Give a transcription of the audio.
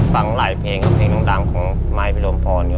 ฟังหลายเพลงกับเพลงดังของไมค์พี่ลมพร